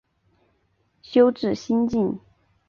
修智心净。